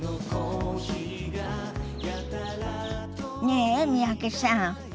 ねえ三宅さん。